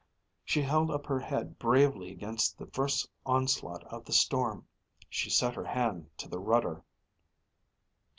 She held up her head bravely against the first onslaught of the storm. She set her hand to the rudder!